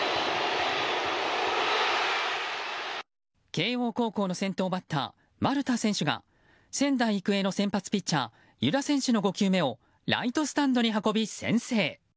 慶應高校の先頭バッター丸田選手が仙台育英の先発ピッチャー湯田選手の５球目をライトスタンドに運び、先制。